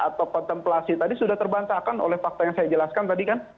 atau kontemplasi tadi sudah terbantahkan oleh fakta yang saya jelaskan tadi kan